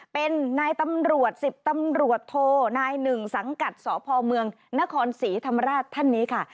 เป็นนายตำรวจ๑๐ตำรวจโทนาย๑สังกัดสพเมืองนครศรีธรรมราชท่านนี้ค่ะ